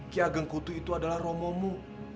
kiageng kutu itu adalah romomu